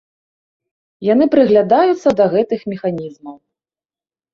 Яны прыглядаюцца да гэтых механізмаў.